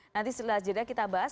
nanti setelah jeda kita bahas